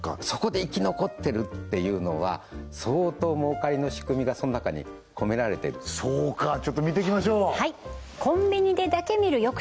そこで生き残ってるっていうのは相当儲かりの仕組みがその中に込められてるそうかちょっと見ていきましょうはいコンビニでだけ見る！